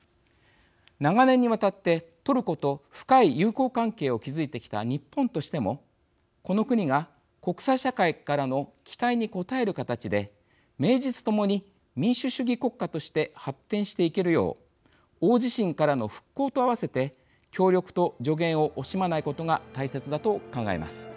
長年にわたってトルコと深い友好関係を築いてきた日本としてもこの国が国際社会からの期待に応える形で名実ともに民主主義国家として発展していけるよう大地震からの復興と合わせて協力と助言を惜しまないことが大切だと考えます。